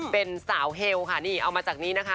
เป็นสาวเฮลค่ะนี่เอามาจากนี้นะคะ